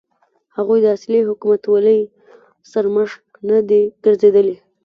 هغوی د اصلي حکومتولۍ سرمشق نه دي ګرځېدلي.